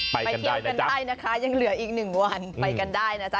ไปเที่ยวกันได้นะคะยังเหลืออีก๑วันไปกันได้นะจ๊